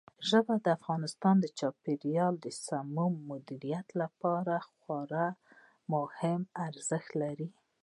ژبې د افغانستان د چاپیریال د سم مدیریت لپاره خورا مهم ارزښت لري.